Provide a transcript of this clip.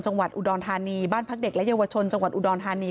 จังหวัดอุดรธานีบ้านพักเด็กและเยาวชนจังหวัดอุดรธานี